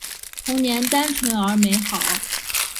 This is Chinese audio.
童年单纯而美好